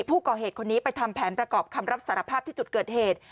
ผู้ก่อเหตุคนนี้ไปทำแผนประกอบคำรับสารภาพที่จุดเกิดเหตุ